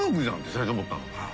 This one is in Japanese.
最初思ったの。